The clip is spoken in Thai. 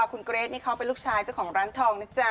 คุณเกรทนี่เขาเป็นลูกชายเจ้าของร้านทองนะจ๊ะ